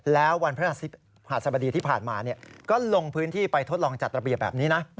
แล้ววันพระหัสบดีที่ผ่านมาก็ลงพื้นที่ไปทดลองจัดระเบียบแบบนี้นะ